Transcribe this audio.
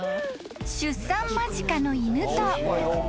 ［出産間近の犬と］